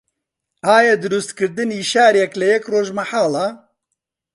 ئایا دروستکردنی شارێک لە یەک ڕۆژ مەحاڵە؟